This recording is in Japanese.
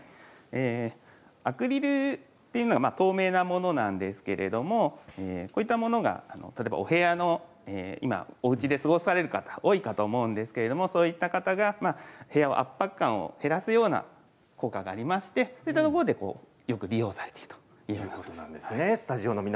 アクリルというのは透明なものなんですけれどおうちで過ごされる方多いと思うんですけれどそういった方が部屋の圧迫感を減らすような効果がありましてそういったところでよく利用されているというようなことなんです。